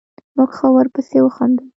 موږ ښه ورپسې وخندل.